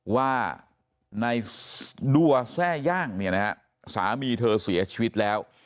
ว่าในดัวแทร่ย่างเนี่ยนะฮะสามีเธอเสียชีวิตแล้ว